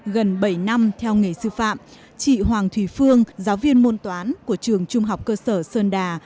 gần bảy năm theo nghề sư phạm chị hoàng thùy phương giáo viên môn toán của trường trung học cơ sở sơn đà